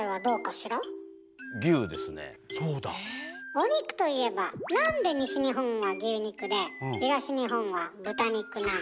お肉といえばなんで西日本は牛肉で東日本は豚肉なの？